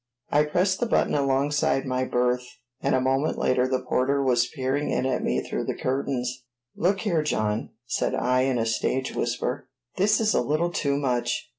I pressed the button alongside my berth, and a moment later the porter was peering in at me through the curtains. "Look here, John," said I in a stage whisper, "this is a little too much!